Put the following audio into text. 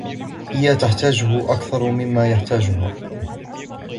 هي تحتاجه أكثر ممّا يحتاجها.